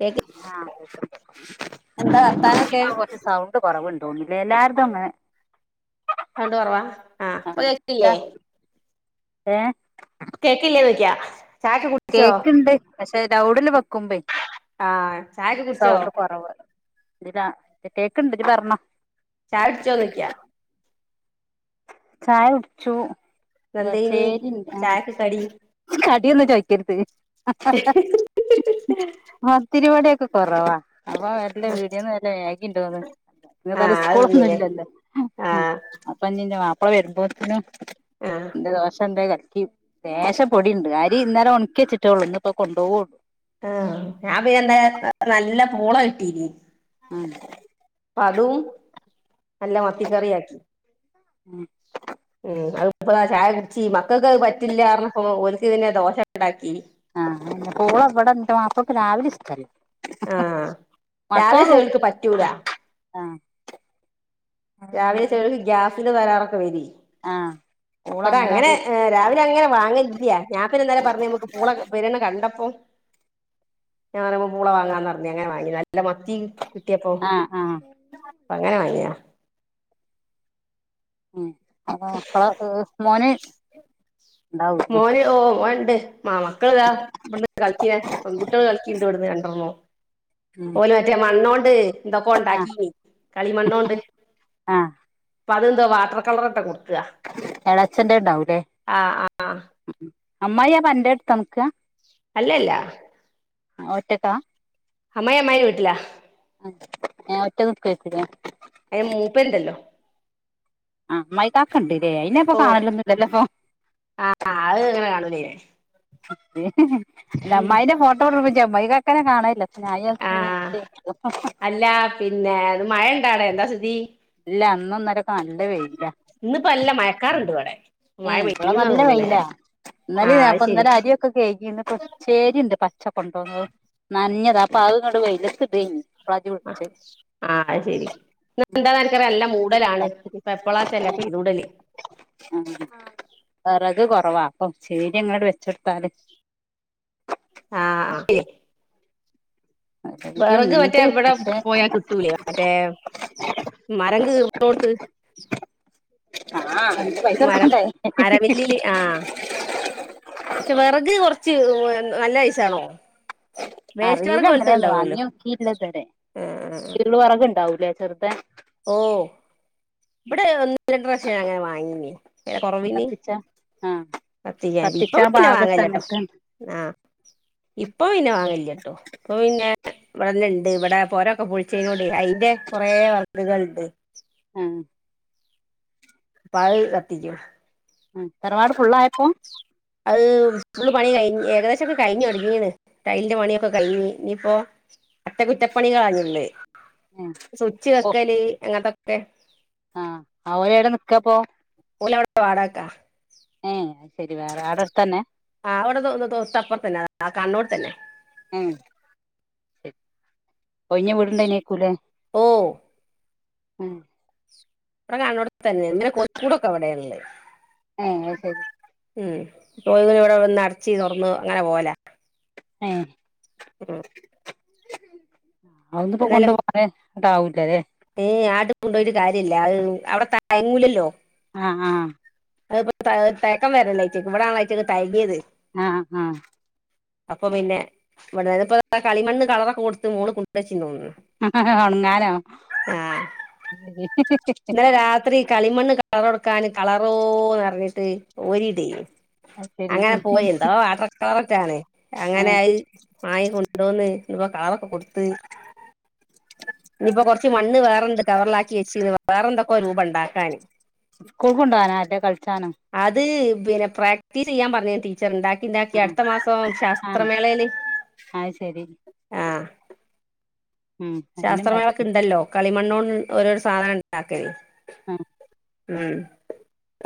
Cake ആഹ് കേക്ക്ണ്ട് എന്താ വർത്താനൊക്കെ ഇപ്പൊ കൊറച്ച് സൗണ്ട് കൊറവുണ്ടോന്നുണു എല്ലാര്തും അങ്ങനെ സൗണ്ട് കൊറവാ ആഹ് ഇപ്പൊ കേക്ണില്ലേ ഏഹ് കേക്കില്ലേന്ന് ചോയിക്കാ ചായൊക്കെ കുടി കേക്ക്ണ്ട് പക്ഷെ ലൗഡില് വെക്കുമ്പേയ് ആ ചായക്കെ കുടിച്ചോ സൗണ്ട് കൊറവ് ഇത് ലാ കേക്ക്ണ്ട് ഇജ്ജ് പറ്ഞ്ഞോ ചായുട്ച്ചോന്നൊയിക്കാ ചായ കുടിച്ചു എന്തേനി വസേരി ആഹ് ചായക്ക് കടി കടിയൊന്നും ചോയ്ക്കര്ത് [unintelligible] തിരുവടയൊക്കെ കൊറവാ പീടിയേന്ന് നല്ല മെഗിണ്ടോന്ന് ഇന്ന്പ്പൊ ആ ഏതാലും അത് സ്കൂളൊന്നും തിന്നില്ലേ ഇല്ലല്ലോ ആ അപ്പഞ് ഇന്റെ മാപ്പള വരുമ്പോത്തിനു ആഹ് ദോശണ്ട് കൽക്കി ലേശ പൊടിണ്ട് അരി ഇന്നലെ ഒണക്കി ച്ചിട്ടൊള്ളൂ ഇന്ന്പ്പൊ കൊണ്ടൊവോ ആഹ് ഞാ പിന്നെ എന്താ നല്ല പൂള കിട്ടീനി ആഹ് അപ്പ അതും നല്ല മത്തിക്കറിയാക്കി ഉം ഉം അത്പ്പളാ ചായ കുടിച്ചി മക്കൾക്കത് പറ്റില്ലാറഞ്ഞപ്പൊ ഓൽക്ക് പിന്നെ ദോശണ്ടാക്കി ആഹ് പൂള ഇവടെ ന്റെ മാപ്പൾക്ക്‌ രാവിലിഷ്ടല്ല ആ രാവിലെ മക്കളൊന്നും ചെലോൽക്ക് പറ്റൂല ഉം ആഹ് അത് പിന്നെ രാവിലെ ചെലോൽക്ക് ഗ്യാസിന്റെ തകരാറൊക്കെ വരി ആഹ് പൂള ഇപടെ അങ്ങനെ അങ്ങനട് രാവിലങ്ങനെ വാങ്ങല് ല്ല്യ ഞാ പിന്നെ ഇന്നലെ പറഞ്ഞ് നമ്മക്ക് പൂള പെര്ണ് കണ്ടപ്പോ ഞാനപ്പോ പൂള വാങ്ങാന്ന് പറഞ്ഞ് അങ്ങനെ വാങ്ങീതാ നല്ല മത്തിം കിട്ടപ്പോ ആഹ് ആഹ് അങ്ങനെ വാങ്ങി താ ഉം അപ്പോ മക്കളെക്ക അത് മോന് ഉണ്ടാവൂലേ മോന് ഓഹ് ഓൻണ്ട് മാ മക്കൾതാ ഇവ് കളിക്കിന് പെൺകുട്ടേൾ കളിക്കിണ്ട് ഇവട്ന്ന് രണ്ടെണ്ണും ഉം ഓല് മറ്റേ മണ്ണോണ്ട് എന്തൊക്കൊ ആഹ് ഇണ്ടാക്കിനി കളിമണ്ണോണ്ട് ആഹ് പ്പതെന്തോ വാട്ടർ കളറൊക്കെ കൊ എളേച്ചന്റെണ്ടാവൂല്ലേ ആ ആ ഉം ഉം അമ്മായി അപ്പന്റെട്ത്താ നിക്കാ അല്ലല്ല ആഹ് ഒറ്റക്കാ അമ്മായി അമ്മായിന്റെ വീട്ട്ലാ ആത് ഏഹ് ഒറ്റക്ക്‌ നിക്കേര്ക്കുലേ അതിന് മൂപ്പര്ണ്ടല്ലോ ആഹ് അമ്മായികാക ഇണ്ട്ലേ അതിനപ്പോ ഓ കാണലൊന്നുംല്ലല്ലോ ആ അത് അങ്ങനെ കാണൂലേ പ്പോ അല്ല അമ്മായിന്റെ ഫോട്ടോ പിടിപ്പിച്ച അമ്മായി കാക്കാനെ കാണലില്ല ആ [unintelligible] അല്ല പിന്നെ അത് മഴ ഇണ്ടാടേ എന്താ സ്ഥിതി ഇല്ല ഇന്നും ഇന്നലൊക്കെ നല്ല വെയിലാ ഇന്ന്പ്പോ നല്ല മയക്കാറ്ണ്ട് ഇവടെ ഏയ് ഇപടെ നല്ല വെയിലാ ഇന്നലെ ആഹ് അത് ഞാപ്പൊ ശരി ഇന്നലെ അരിയൊക്കെ കെഴുകീന്ന്പ്പോ പേരിണ്ട് പച്ച കൊണ്ടോന്നത് നനഞ്ഞതാ അപ്പ അത്ങട് വെയിലത്തിടെയ്നി അഹ് ആഹ് ആത് ശരി ഇന്നന്താ [unintelligible] നല്ല മൂടലാണ് ഇപ്പൊ എപ്പളാച്ചല്ല പെയ്തൂടല് ആഹ് വെറക് കൊറവാ അപ്പൊ ച്ചീതിയങ്ങട് വെച്ചൊടുത്താല് ആഹ് വെറക് മറ്റേ ഇണ്ട് ഇവടെ പക്ഷെ പോയാ കിട്ടൂലേ മറ്റേ മരം കീർണോട്ത്ത് ആഹ് അയിന് പൈസ മരം കൊടുക്കണ്ടേ മരമില്ലില് ആഹ് പക്ഷേ വെറക് കൊറച്ച് നല്ല പെയ്സേണോ അറിയൂല എങ്ങനെന്ന് വാങ്ങിയോക്കീടില്ലത് വരെ ആഹ് ച്ചീള് വറക്ണ്ടാവൂലേ ചെർത് ഓഹ് ഇപടെ ഒന്ന് രണ്ട്‌ പ്രാവിശ്യം അങ്ങനെ വാങ്ങീന് കൊറവിന് കത്തിച്ചാ ആഹ് കത്തിക്കാനി ഇപ്പ കത്തിച്ചാൻ പിന്നെ പാകത്ത് വാങ്ങലില്ലട്ടോ അങ്ങനത്തെ ആഹ് ഇപ്പൊ പിന്നെ വാങ്ങലില്ലട്ടോ ഇപ്പൊ പിന്നെ ഇവിടൊന്ന്ണ്ട് ഇവിടെ പൊരൊക്കെ പൊളിച്ചീനെ കൊണ്ട് അയ്ന്റെ കൊറേ വന്ന് കണ്ട്. ആഹ്. [unintelligible] ഉം തറവാട് ഫുള്ളായപ്പോ അഹ് ഫുള്ള് പണി കഴിഞ്ഞ് ഏകദേശൊക്കെ കഴിഞ്ഞൊടെങ്ങീണ് റ്റൈൽന്റ പണിയൊക്ക കയ്ഞ്ഞ് ഇനിപ്പോ അറ്റകുറ്റപ്പണികളാ ഇഞ്ഞി ഉള്ളത് ഏഹ് സുച്ച് ഓഹ് വെക്കല് അങ്ങൻത്തൊക്കെ ആഹ് ഓലെവ്ടാ നിക്കപ്പോ ഓലവ്ട വാടാകക്കാ ഏഹ് അഹ് ശരി അവിടെ അടുത്തന്നെ ആഹ് അവ്ടെ തോ തൊട്ട് അപ്പർത്തന്നെ അതാ കാണുന്നോട് തന്നെ ഉം ഒഴിഞ്ഞ വീട് ഇണ്ടായ്‌നേക്കൂലേ ഓഹ് ഇവടെ കാണോട്തന്നെ ഇന്ന് കൊയ്ക്കൂടൊക്ക അവ്ടെ ഇള്ളെ ഏഹ് അഹ് ശരി ഉം ഒന്നിനോടെ വന്ന് അടച്ചി തൊറന്ന് അങ്ങനെ പോവലാ ഏഹ് ആഹ് അതൊന്നിപ്പം കൊണ്ടോവാന് ഇങ്ങട്ടാവൂല്ലല്ലേ ഏഹ് അത് കൊണ്ടോയ്ട്ട് കാര്യല്ല അഹ് അവടെ തയങ്ങൂലല്ലോ ആഹ് ആഹ് അത്പ്പ തഹ് തയക്കം വെരല്ലയ്റ്റേക്കും ഇവടാണല്ലോ അയ്റ്റക്ക് തഴകിയത് ആഹ് ആഹ് അപ്പം പിന്നെ ഇവടെതാപ്പം ഇതാ കളിമണ്ണ് കളറൊക്ക കൊട്ത്ത് മോള് കൊണ്ട് വെച്ചീ തോന്ന്ണ് ഒണങ്ങാനോ? ആഹ് ഇന്നലലെ രാത്രി കളിമണ്ണ് കളറൊട്ക്കാന് കളറോന്ന് പർഞ്ഞ്ട്ട് ഓരിടയ്നിം അത് ശരി അങ്ങനെ പോയ് എന്തോ വാട്ടർ കളറൊക്കാണ് അങ്ങനെ ഏഹ് അഹ് വാങ്ങി കൊണ്ടോന്ന് ഇപ്പ കളറൊക്ക കൊട്ത്ത് ഇനിപ്പ കൊറച്ച് മണ്ണ് വേറെന്ത് കവർലാക്കി വെച്ചിണ് വേറെന്തൊക്കൊരൂപം ഒണ്ടാക്കാന് സ്കൂൾക്ക് കൊണ്ടവാനാ ആരടെ കളിച്ചാനോ അത് പിന്ന പ്രാക്ടീസ് ചെയ്യാൻ പറഞ്ണ് ടീ ച്ചർ ഇണ്ടാക്കി ഇണ്ടാക്കി ആഹ് അട്ത്ത മാസം ആഹ് ശാസ്ത്രമേളേല് അത് ശരി ആഹ് ഉം അയിന്ണ്ടാ ശാസ്ത്രമേളക്ക്ണ്ടല്ലോ കളിമണ്ണോൺ ഓരോരൊ സാനം ഇണ്ടാക്കല് ആഹ് ഉം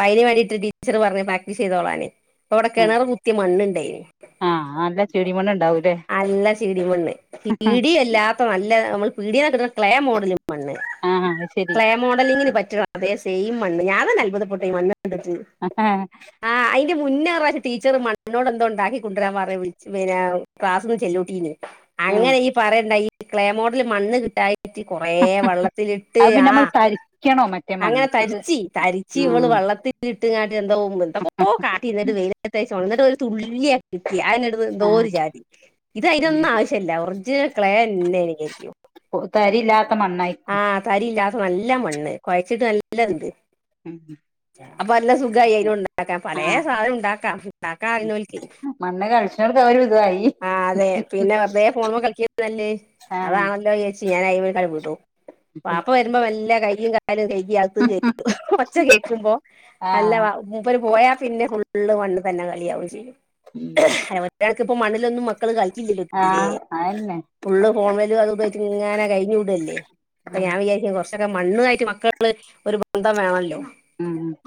അയ്ന് വേണ്ടിട്ട് ടീച്ചറ് പറഞ്ഞ് പ്രാക്ടീസ് ചെയ്തോളാന് അപ്പം ഇവടെ ആഹ് കെണറ് കുത്തിയ മണ്ണ്ണ്ടെയ്നിം ആഹ് നല്ല ചെടിമണ്ണ് ഇണ്ടാവൂലേ അല്ല സി ഡി മണ്ണ് സി ഡി അല്ലാ ഇപ്പ നല്ല നമ്മള് പീടീന്നൊക്കെ കിട്ട്ണ ക്ലെ മോഡല് മണ്ണ് ആഹ് അഹ് ശരി ക്ലേ മോഡലിങ്ങിന് പറ്റ്ണ അതെ സെയിം മണ്ണ് ഞാൻ തന്നെ അത്ഭുതപ്പെട്ടോയ് മണ്ണ് കണ്ടിട്ട് അഹാ ആഹ് അയ്ന്റ മുന്നേ ഒരു പ്രാവശ്യം ടീച്ചറ് മണ്ണോട് എന്തോ ഒണ്ടാക്കി കൊണ്ട്രാൻ പറഞ് വിള്ച്ച് പിന്നാ ക്ലാസിന്ന് ചെല്ലൂട്ടീനിം ഉം അങ്ങനെ ഇയ്യ് പറയണ്ട ഈ ക്ലേ മോഡല് മണ്ണ് കിട്ടായ് മാറ്റി കൊറേ വള്ളത്തിലിട്ട് ആഹ് ക്ക്യാണോ മറ്റേ അങ്ങനെ മണ്ണ് ഇത് തര്ച്ച് തരിച്ച് ഇവള് ആഹ് വെള്ളത്ത്ലിട്ട്ങ്ങാണ്ട് എന്തോ എന്തൊക്കോ കാ ട്ടി ഇന്നട്ട് വെയ്ലത്ത് വെച്ചോണ് ഇന്നട്ടൊര് തുള്ളിയാ കിട്ടി അതനെണ്ട് അത്‌ എന്തോ ആഹ് ഒര് ജാതി ഇത് ഉം അയ്നൊന്ന് ആവശ്യല്ല ഒർജിനൽ ക്ലെ തന്നെ ഏയ്നിക്കേയ്ക്ക്യു പ്പൊ തരില്ലാത്ത മണ്ണായ്ര്ക്കും തരി ഇല്ലാത്ത നല്ല മണ്ണ് കൊഴച്ച്ട്ട് നല്ലത്ണ്ട് ഉം ഉം അപ്പൊ നല്ല സുഖമായി അയിന്നോണ്ട് ഇണ്ടാക്കാൻ പലേ ആഹ് സാധനം ഇണ്ടാക്ക ഇണ്ടാക്കാൻ അറീണോൽക്കേയ്. മണ്ണ് കളിച്ചോർക്ക് അവര് ഇതായി ആഹ് അതെ പിന്നെ വെർതെ ഫോണ്മ്മെ കളിക്ക്ണക്കാട്ടിലും നല്ലെഹ് ആഹ് അതാണല്ലോ വിചാരിച്ച് ഞാൻ അയ്മ്മെക്ക് ആണ്ട് വിടും വാപ്പ വെരുമ്പൊ മെല്ലെ കയ്യും കാലും കെഴ്കി അവ്ത്ത്ക്ക് കേറി ഒച്ച കേൾക്കുമ്പൊ അല്ല ആഹ് വാ മൂപ്പര് പോയാ പിന്നെ ഫുള്ള് മണ്ണ് തന്നെ കളിയാവും ചെയ്യും ഒര്കണക്ക് ഇപ്പം മണ്ണിലൊന്നും മ മക്കള് കളിക്കില്ല്യല്ലോ തീരേ ആഹ് അയന്നെ ഫുള്ള് ഫോണ് മ്മെലും അതും ഇതു ആയിറ്റ് ഇങ്ങനെ കഴിഞ്ഞ് കൂടല്ലേ. അപ്പ ഞാൻ വിചാരിക്ക്യും കൊർച്ചൊക്കെ മണ്ണ് ആയിറ്റ് മക്കള് ഒര് ബന്ധം വേണല്ലോ.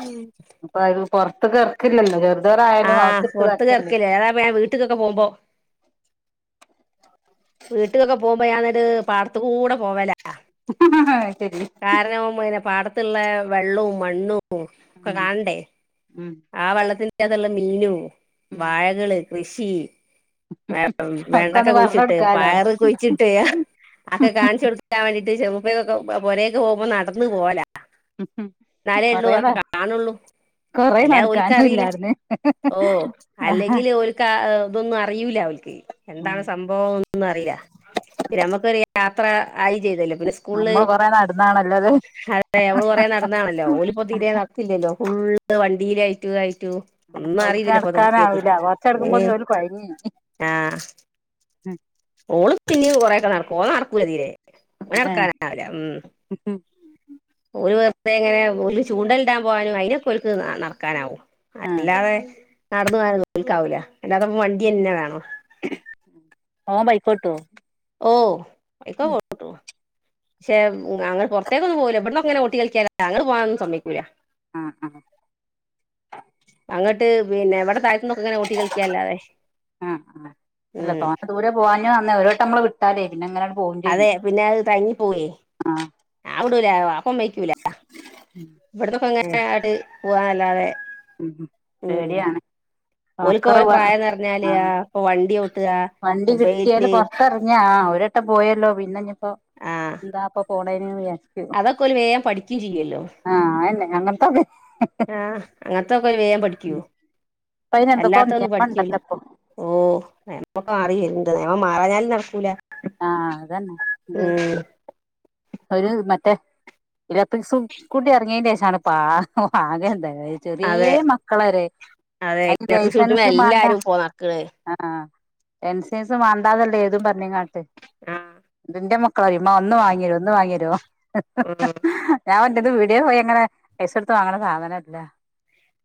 ഉം ഇപ്പൊ ആരും പൊർത്ത്ക്ക് എർക്ക്ല്ലല്ലോ ചെർതോരായാലും അവ്ത്ത്ട്ട് ഇതാക്കല്ലേ. ഏതായാലും പ്പ ഞാൻ വീട്ട്ക്കൊക്കെ പോവുമ്പൊ വീട്ട്കൊക്കെ പോവുമ്പൊ ഞാൻ ന്നട്ട് പാടത്ത്ക്കൂടെ പോവലാ ആഹ് അയ്ശെരി കാരണം ഉം പിന്നെ പാടത്ത്ള്ളെ വെള്ളോം മണ്ണും ഒക്കെ ഉം കാണണ്ടേ. ഉം ആ വെള്ളത്തിന്റ അകത്ത്ള്ള മീനും ഉം വാഴകള് കൃഷി. ഏഹ് ഒക്കെ വെണ്ടക്ക ഒന്ന് പറഞ്ഞ് കുഴിച്ചിട്ട് കൊടുക്കാലോ പയറ് കുഴിച്ചിട്ട് അഒക്കെ കാണിച്ച് കൊട്ക്ക ക്കാൻ വേണ്ടീട്ട് ചെമപ്പുഴക്കൊക്കെ പൊരേക് പോവുമ്പൊ നടന്ന് പോവലാ ന്നാലെ എള്ളൂ കൊറേ ന അഒക്കെ കാണൊള്ളൂ. കൊറേ അല്ലാതെ നടക്കാനും ഓൽക്കറീല ഇല്ലായിര്ന്ന് ഓഹ് അല്ലെങ്കില് ഓൽ ക്കാ ഇഹ് ഇതൊന്നും അറിയ്യൂല ഓൽക്ക് ഉം എന്താണ് സം ഭവം അഒന്നും അറീല പിന്നെ ഞമ്മക്കൊരു യാത്ര ആയിം ചെയ്തല്ലോ പിന്നെ സ് കൂൾള് നമ്മള് കൊറേ നടന്നാണല്ലോ അത് അതെ ഞമ്മള് കൊറേ നടന്നാണല്ലോ ഓല് ഇപ്പൊ തീരെ നടക്ക് ല്ലല്ലോ ഫുള്ള് വണ്ടിയിലായിറ്റു ദായിറ്റു ഉം ഓൽക്ക് നടക്കാനാവൂല കൊർച് ഏ നടക്കുമ്പോത്തിന് ഓല് കൊഴങ്ങി. ആഹ് ഓള് പിന്നിം കൊറെ ഒക്കെ നടക്കും ഓൻ നടക്കൂല തീരേ ഓന് നടക്കാനാവൂല ഉം. ഉം ഉം ഓല് വെർതെ ഇങ്ങനെ ഓല് ചൂണ്ടല് ഇണ്ടാൻ പോവാനും അയ്നൊക്കോൽക്ക് ന നടക്കാനാവും ആഹ് അല്ലാതെ നടന്ന് പോവാനൊന്നും ഓൽക്കാവൂല്ല അല്ലാത്തപ്പ വണ്ടിയെന്നെ വേണം ഓൻ ബൈക്കോട്ടോ ഓഹ് ബൈക്കൊക്കോട്ടും പക്ഷെ അങ്ങനെ പൊറത്തേക്കൊന്നും പോവൂല ഇബട്ന്നൊക്കെ ഇങ്ങനെ ഓട്ടി കളിക്ക്യാന്നല്ലാതെ അങ്ങട്ട് പോവാനൊന്നും സമ്മെയ്ക്കൂല ആഹ് ആഹ് അങ്ങട്ട് പിന്നെ ഇവടെ താഴത്ത്ന്നൊക്കെ ഇങ്ങനെ ഓട്ടി കളിക്ക്യാ അല്ലാതെ ആഹ് ആഹ് അല്ല ഉം. തോനെ ദൂരെ പോവാഞ്ഞും നന്ന് ഒര് വട്ടം അമ്മള് വി ട്ടാലെ പിന്നെ ഇങ്ങനാണ്ട് പോകും. അതെ പിന്നെ അത് തഞ്ഞിപ്പോവേയ് ആഹ് ഞാൻ വിടൂല വാപ്പ സമ്മെയ്ക്കൂല. ഇവട്ന്നൊക്കെ ഇങ്ങനെ അങ്ങട്ട് പോവാന്നല്ലാതെ. ഉം ഉം ഉം പേടിയാണ്. ഓൽക്ക് ആക്കറ ഓലെ വാ പ്രായംന്ന് പറഞ്ഞാല് ആ ഇപ്പൊ വണ്ടി ഓട്ടുക വണ്ടി കിട്ട്യാല് മൊബൈല് പൊറത്തറ ഞാ ആ ഒരട്ടം പോയല്ലോ പിന്നെ ഇനി ഇപ്പോ ആ എന്താ അപ്പ പോണേന് വിചാരിച്ചി അതൊക്കെ ഓല് വേം പഠിക്യും ചെയ്യല്ലോ. ആഹ് അയന്നെ അങ്ങൻത്തക്കെ. ആഹ് അങ്ങൻത്തൊക്കെ ഓല് വേം പഠിക്കു ഇപ്പ അയിന് എന്തൊക്കോ അല്ലാത്ത ഒന്നും നിയമം പഠിക്കൂല്ല. ഇണ്ടല്ലോ ഇപ്പൊ ഓഹ് [unintelligible] മാറാഞ്ഞാലും നടക്കൂല. ആഹ് അതന്നെ ഇത് ഉം ഒരു മറ്റേ. ഇലക്ട്രിക്സു കൂട്ടി എർങ്യേന്റെഷാണ് ആകെ തായെ ചെറ്യേ അതെ മക്കളരെ അതെ അയ്ന് ഇലക്ട്രിക് ഷൂട്ടിമ്മെ ലൈസൻസും മാണ്ട. എല്ലാരും ഇപ്പോ നടക്ക്ണ് ആഹ് എൻസൻസ് വണ്ടാത്ള്ള ഏതും പറഞ്ങ്ങാ ത് ആഹ് ന്റെ മക്കളറി മ്മ ഒന്ന് വാങ്ങ്യരോ ഒന്ന് വാങ്ങ്യരോ ഉം ഞാൻ മറ്റേത് വീട്യേ പോയങ്ങനെ പൈസ കൊടുത്ത് വാങ്ണ സാനല്ല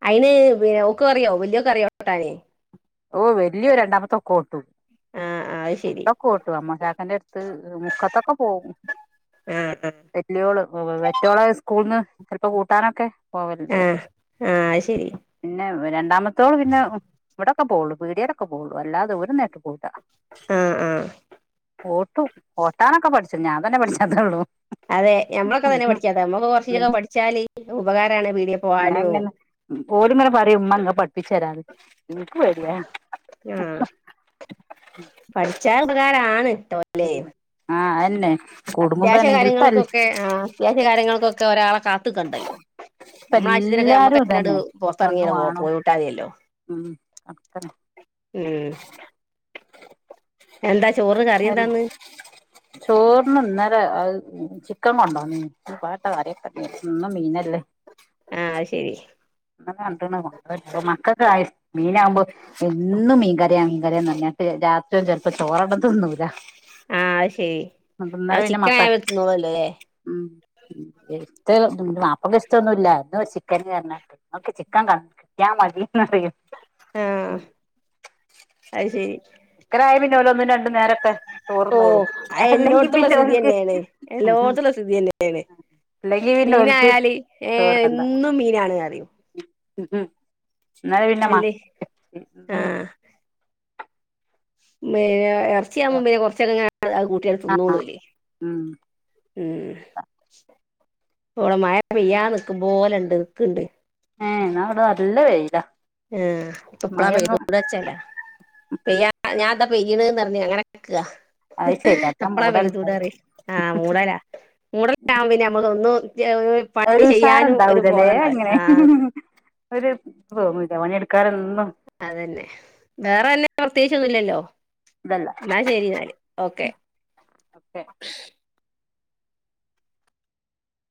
അയിന് പിന്ന ഓക്ക്‌ അറിയോ വല്ല്യോക്ക്‌ അറിയോ ട്ടാന് ഓ വല്ല്യോ രണ്ടാമത്തെൊക്കെ ഓട്ടു ആഹ് ആഹ് അത് ശരി ട്ടൊക്കോ ട്ടു അമ്മോചാക്കന്റെ അടുത്ത് മുക്കത്തൊക്കെ പോകും [unintelligible] വല്ല്യോള് മറ്റോളെ സ്കൂൾന്ന് ചിലപ്പോ കൂട്ടാനൊക്കെ പോവല്ണ്ട് ആഹ് ആഹ് അത് ശരി പിന്നെ രണ്ടാമത്തോള് പിന്നെ ഒക്കെ പോവളൂ പിട്യേലൊക്കെ പോവളൂ അല്ലാതെ [unintelligible] ആഹ് ആഹ് ഓട്ടു ഓട്ടാനൊക്കെ പഠിച്ചു ഞാൻ തന്നെ പഠിച്ചാതോള്ളൂ അതെ ഞമ്മളൊക്കെ തന്നെ പഠിക്കാത്തെ നമ്മക്ക് ഉം കൊർച്ചീചൊക്കെ പഠിച്ചാല് ഉപകാരാണ് പീടിയെ പോവാനും ഓല് ഇങ്ങനെപറയും ഉമ്മ ഇങ്ങളെ പഠിപ്പിച്ചരാന്ന് എനിക്ക് പേടിയ പഠിച്ചാൽഉപകാരാണ് ഇട്ടോ ആഹ് അഅന്നെ അത്യാവശ്യ കാര്യങ്ങൾക്കൊക്കെ ആഹ് അത്യാവശ്യ കാര്യങ്ങൾക്കൊക്കെ ഒരാളെ കാ ത്ത് കണ്ടല്ലോ ഇപ്പ നമ്മള ആവിശ്യത്തിനൊക്കെ എല്ലാരും നമ്മക്ക്അങ്ങനട് ഇതന്നെ പുറത്തറങ്ങി പെണ്ണും പോ ആണും പോയൂട്ടാത്യല്ലോ ഉം അക്ക ഉം എന്താ ചോറ്ന് കറിയെന്താന്ന് ചോറിന് ഇന്നേലെ ചിക്കൻ കൊണ്ടോ നീ ഞ് പ്പാട്ടഅറിക്കണ്ട്യരു ന്നും മീനല്ലേ ആഹ് അഹ് ശരി [unintelligible] മക്കക്കായി മീനാഉമ്പോ എന്നും മീൻകറിയ മീൻകറിയാന്നർഞാട്ട് രാത്രി ചെൽപ്പോ ചോറണ്ടതിന്നൂല്ല ആഹ് ശേ ആ മത്ത ചിക്കൻആയ തിന്നോളല്ലോലേ ഉം ഇഷ്ട ന്റെ മാപ്പക്ക ഇഷ്ടൊന്നുല്ല ന്നോര് ചിക്കന് അർഞാട്ട് ഓക്ക്‌ ചിക്കൻ ക കിട്ടിയാൽ മതിന്നറിം ആഹ് അയ് ശരി ക്കരായ പിന്നെ ഒരോന്ന് രണ്ട്‌ നേരൊക്കെ ചോറ്ന്നോളും ഓഹ് അയ് അല്ലെങ്കി എല്ലോട്ത്തുള്ള പിന്നെ സ്ഥിതി ഓൽക്ക് തന്നെയാണ് എല്ലോട്ത്തുള്ള സ്ഥിതി തന്നെയാണ് ഇല്ലെങ്കി പിന്നെ ഓൽക്ക് മീനായാല് ഏ എന്നും മീനാണ് അറിം ന്നാ പിന്നെ അല്ലേ [inaudible] മേ ഇറച്ചിയാഉമ്പോ പിന്നെ കുറച്ചൊക്കെങ്ങന അഹ് കൂട്ട്യാട് ആഹ് തിന്നോളോല് ഉം ഉം ഉം ഇവിടെ മഴ പെയ്യാ നിക്കുപോലെണ്ട് നിക്ണ്ട് ഏഹ് ഇന്നാ ഇവടെ നല്ല വെയിലാ ഏഹ് ഇപ്പ ഇപ്പളാ പെയ്തെ മഴൊന്നും കൂട് വെച്ചേല പെയ്യ ഞാൻതാ പെയ്യ്ണ്ന്നറിഞ്ഞ് അങ്ങനെ നിക്ക അത് ശരി നല്ല എപ്പളാ മൂടല്ണ്ടായില്ല പെയ്തൂടറി ആഹ് മൂടലാ മൂടലാകുമ്പ പിന്നെ നമ്മള് ഒന്നും [unintelligible] ഒരു ഉസാറ് ചെയ്യാനും ഒരു ഇണ്ടാവൂലലേ ബോധം ഉണ്ടാവില്ല അങ്ങനെ ആഹ് ഒരു തോന്നൂല്ല പണി ഇട്ക്കാനൊന്നും അതെന്നെ വേറെ നല്ലെ പ്രത്യേകിച്ചൊന്നും ഇല്ലല്ലോ ഇതല്ല ശരിന്നാല് ഓക്കെ ഒക്കെ